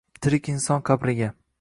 Tirik inson qabriga